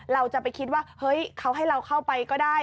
เราจะไปคิดว่าเฮ้ยเขาให้เราเข้าไปก็ได้